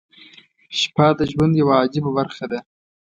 • شپه د ژوند یوه عجیبه برخه ده.